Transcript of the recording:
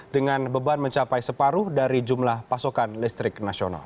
dengan beban mencapai separuh dari jumlah pasokan listrik nasional